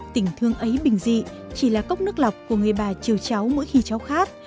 tình thương ấy bình dị chỉ là cốc nước lọc của người bà chiều cháu mỗi khi cháu khác